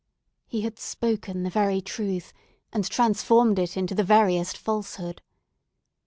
He had spoken the very truth, and transformed it into the veriest falsehood.